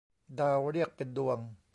ดาวเรียกเป็นดวง